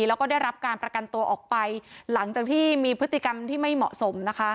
แล้วก็ได้รับการประกันตัวออกไปหลังจากที่มีพฤติกรรมที่ไม่เหมาะสมนะคะ